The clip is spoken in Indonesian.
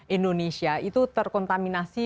indonesia itu terkontaminasi